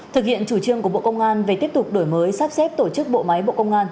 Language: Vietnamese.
thực hiện chủ trương của bộ công an về tiếp tục đổi mới sắp xếp tổ chức bộ máy bộ công an